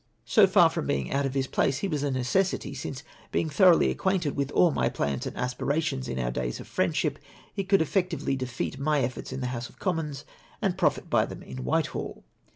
So far from being out of his place, he was a necessity, since being thoroughly acquainted with all my plans and aspirations in our days of friendship, he coidd effec tively defeat my efforts in the House of Commons and profit by them in Whitehall.